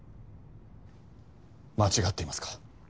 間違っていますか？